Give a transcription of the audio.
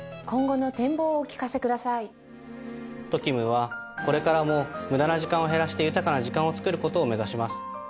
ＴＯＫＩＵＭはこれからも無駄な時間を減らして豊かな時間を創る事を目指します。